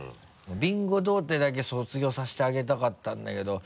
ビンゴ童貞だけ卒業させてあげたかったんだけど。